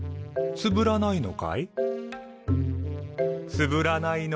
つぶらないのかい？